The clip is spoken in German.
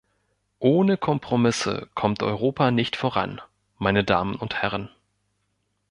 Ohne Kompromisse kommt Europa nicht voran, meine Damen und Herren.